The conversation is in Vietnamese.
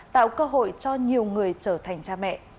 tạo cơ hội cho nhiều người trở thành cha mẹ